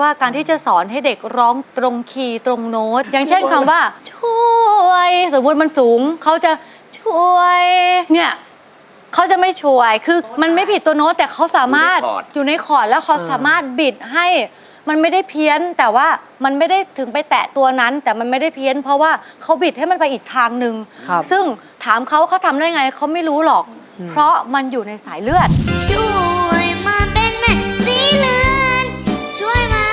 การที่จะสอนให้เด็กร้องตรงคีย์ตรงโน้ตอย่างเช่นคำว่าช่วยสมมุติมันสูงเขาจะช่วยเนี่ยเขาจะไม่ช่วยคือมันไม่ผิดตัวโน้ตแต่เขาสามารถอยู่ในขอดแล้วเขาสามารถบิดให้มันไม่ได้เพี้ยนแต่ว่ามันไม่ได้ถึงไปแตะตัวนั้นแต่มันไม่ได้เพี้ยนเพราะว่าเขาบิดให้มันไปอีกทางนึงซึ่งถามเขาเขาทำได้ไงเขาไม่รู้หรอกเพราะมันอยู่ในสายเลือดช่วยมาเต้นช่วยนะ